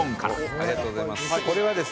ありがとうございます。